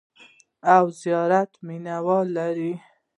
او زیات مینوال لري.